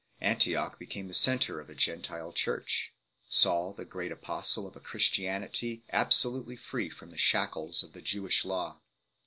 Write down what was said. Antioch became the centre of a Gentile church ; Saul the great apostle of a Christianity absolutely free from the shackles of the Jewish law.